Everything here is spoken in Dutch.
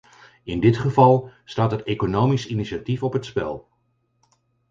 In dit geval staat het economisch initiatief op het spel.